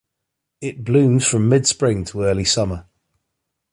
It blooms from mid spring to early summer.